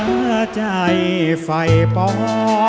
เผื่อใจไฟปอง